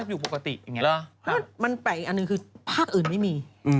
อีกอันหนึ่งคือภาพอื่นไม่มี